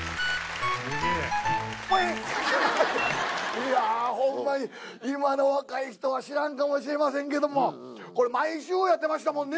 いやホンマに今の若い人は知らんかもしれませんけどもこれ毎週やってましたもんね。